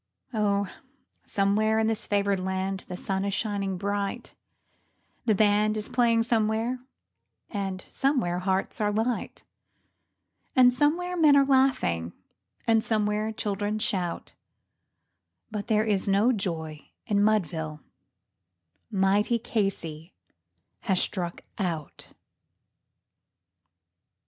Oh! somewhere in this favored land the sun is shining bright, The band is playing somewhere, and somewhere hearts are light, And somewhere men are laughing, and somewhere children shout; But there is no joy in Mudville mighty Casey has "Struck Out."